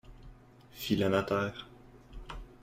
Fit le notaire.